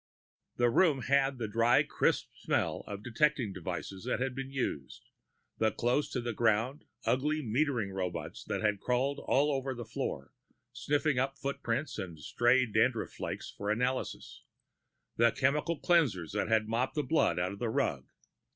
The room had the dry, crisp smell of the detecting devices that had been used the close to the ground, ugly metering robots that had crawled all over the floor, sniffing up footprints and stray dandruff flakes for analysis, the chemical cleansers that had mopped the blood out of the rug.